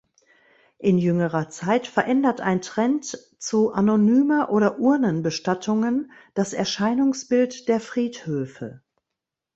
In jüngerer Zeit verändert ein Trend zu anonymer oder Urnenbestattungen das Erscheinungsbild der Friedhöfe.